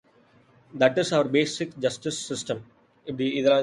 That is our basic justice system.